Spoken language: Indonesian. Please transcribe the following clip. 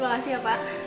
terima kasih ya pak